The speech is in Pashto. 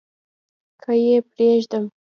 که يې پرېږدم .